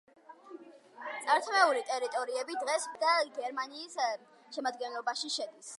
წართმეული ტერიტორიები დღეს ბელგიის, საფრანგეთის და გერმანიის შემადგენლობაში შედის.